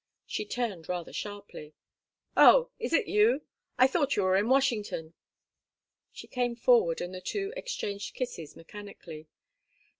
She turned rather sharply. "Oh is that you? I thought you were in Washington." She came forward, and the two exchanged kisses mechanically.